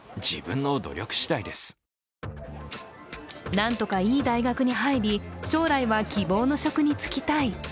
なんとかいい大学に入り将来は希望の職に就きたい。